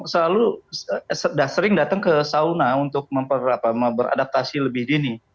selalu sudah sering datang ke sauna untuk beradaptasi lebih dini